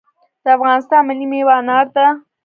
د افغانستان ملي میوه انار ده